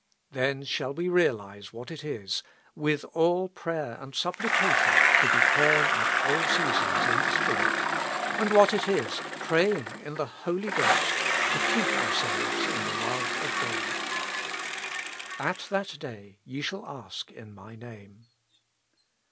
Then shall we realize what it is, " with all prayer and supplication to be praying at all seasons in the Spirit," and what it is, " praying in the Holy Ghost, to keep ourselves in the love of God." '^At that day ye shall ask in my Name."